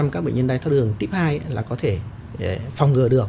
năm mươi các bệnh nhân đáy thao đường tiếp hai là có thể phòng ngừa được